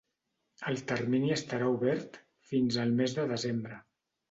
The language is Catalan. El termini estarà obert fins al mes de desembre.